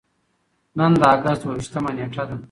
نن د اګست دوه ویشتمه نېټه ده.